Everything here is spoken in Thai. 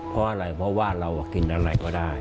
เพราะอะไรเพราะว่าเรากินอะไรก็ได้